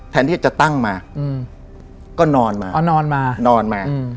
แทนที่จะตั้งมาก็นอนมา